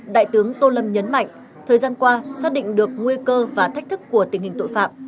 đại tướng tô lâm nhấn mạnh thời gian qua xác định được nguy cơ và thách thức của tình hình tội phạm